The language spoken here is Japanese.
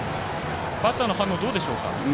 バッターの反応どうでしょうか。